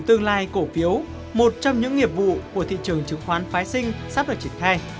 tương lai cổ phiếu một trong những nghiệp vụ của thị trường chứng khoán phái sinh sắp được triển khai